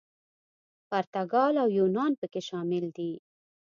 پرتګال او یونان پکې شامل دي.